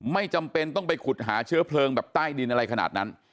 ไม่จำเป็นต้องไปขุดหาเชื้อเพลิงแบบใต้ดินอะไรขนาดนั้น